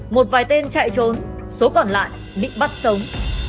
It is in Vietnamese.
một vài tên chạy trốn số còn lại bị bắt sống